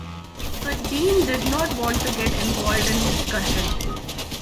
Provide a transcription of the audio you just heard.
But Dean did not want to get involved in discussion.